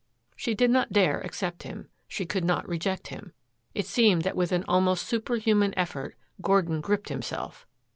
She did not dare accept him; she could not reject him. It seemed that with an almost superhuman effort Gordon gripped himself.